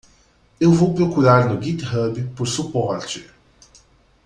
Eu vou procurar no Github por suporte.